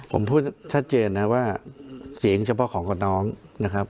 ผมพูดชัดเจนนะว่าเสียงเฉพาะของกับน้องนะครับ